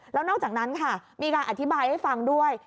แล้วนอกจากนั้นค่ะมีการอธิบายให้ฟังด้วย